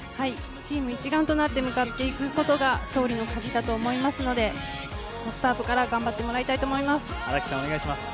チーム一丸となって向かっていくことが勝利のカギだと思いますのでスタートから頑張ってもらいたいと思います。